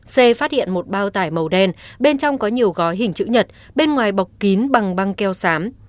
xe phát hiện một bao tải màu đen bên trong có nhiều gói hình chữ nhật bên ngoài bọc kín bằng băng keo sám